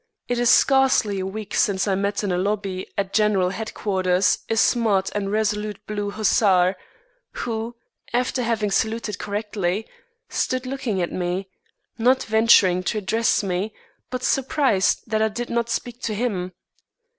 It is scarcely a week since I met in a lobby at General Headquarters a smart and resolute blue hussar, who, after having saluted correctly, stood looking at me, not venturing to address me, but surprised that I did not speak to him.